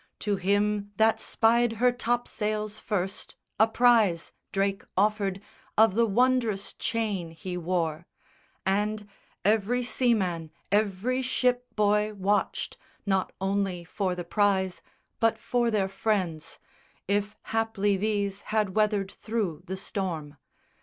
To him that spied her top sails first a prize Drake offered of the wondrous chain he wore; And every seaman, every ship boy, watched Not only for the prize, but for their friends, If haply these had weathered through the storm.